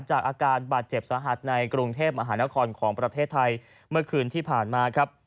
อาการบาดเจ็บสาหัสในกรุงเทพมหานครของประเทศไทยเมื่อคืนที่ผ่านมาครับ